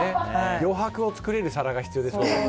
余白を作れるお皿が必要ですね。